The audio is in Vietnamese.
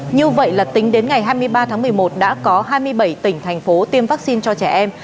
như vậy là tính đến ngày hai mươi ba tháng một mươi một đã có hai mươi bảy tỉnh thành phố tiêm vaccine cho trẻ em